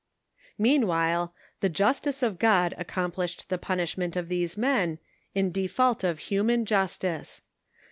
Meanwhile the justice of God accomplished the punish , ment of these men, in default of human justice.